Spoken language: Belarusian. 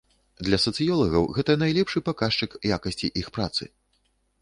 Для сацыёлагаў гэта найлепшы паказчык якасці іх працы.